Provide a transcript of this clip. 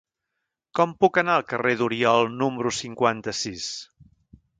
Com puc anar al carrer d'Oriol número cinquanta-sis?